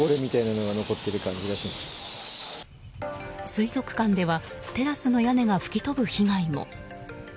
水族館ではテラスの屋根が吹き飛ぶ被害も。